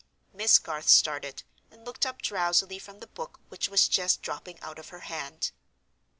Miss Garth started, and looked up drowsily from the book which was just dropping out of her hand.